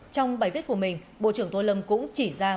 trong bài viết của mình bộ trưởng tô lâm cũng chỉ ra